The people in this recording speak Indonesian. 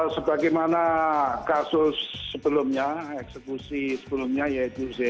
sebagaimana kasus sebelumnya eksekusi sebelumnya yaitu